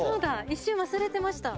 一瞬忘れてました。